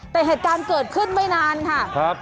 แต่แข่งการเกิดขึ้นไม่นานค่ะ